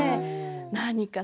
何か。